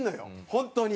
本当に。